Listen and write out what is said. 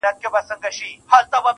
بيا چي يخ سمال پټيو څخه راسي_